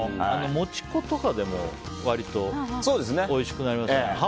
もち粉とかでも、割とおいしくなりますよね。